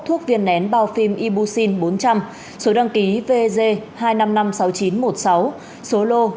thuốc viên nén bao phim ibucin bốn trăm linh số đăng ký vg hai triệu năm trăm năm mươi sáu nghìn chín trăm một mươi sáu số lô chín trăm linh sáu nghìn một mươi chín